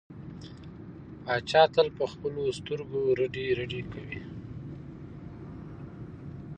پاچا تل په خلکو سترګې رډې رډې کوي.